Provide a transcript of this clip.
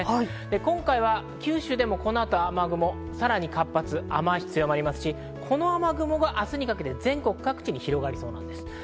今回は九州でもこの後、雨雲さらに活発、雨足が強まりますし、この雨雲が明日にかけて全国各地に広がります。